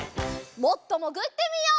もっともぐってみよう。